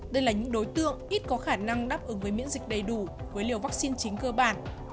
đây là những đối tượng ít có khả năng đáp ứng với miễn dịch đầy đủ với liều vaccine chính cơ bản